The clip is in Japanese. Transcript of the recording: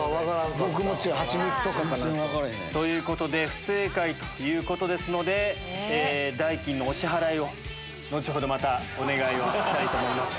不正解ということですので代金のお支払いを後ほどまたお願いをしたいと思います。